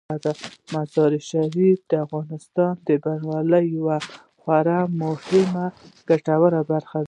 مزارشریف د افغانستان د بڼوالۍ یوه خورا مهمه او ګټوره برخه ده.